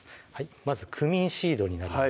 まずクミンシードになります